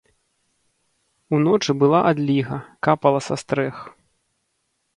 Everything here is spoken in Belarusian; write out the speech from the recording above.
Уночы была адліга, капала са стрэх.